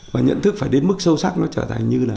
và nhận thức phải đến mức sâu sắc nó trở thành như là